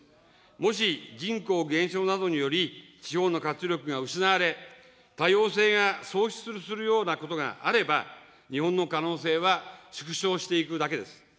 もし人口減少などにより、地方の活力が失われ、多様性が喪失するようなことがあれば、日本の可能性は縮小していくだけです。